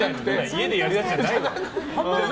家でやるやつじゃないわ。